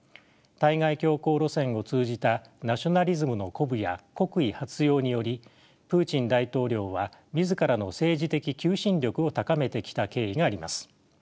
対外強硬路線を通じたナショナリズムの鼓舞や国威発揚によりプーチン大統領は自らの政治的求心力を高めてきた経緯があります。